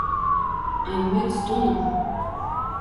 - Այն մեծ տունը…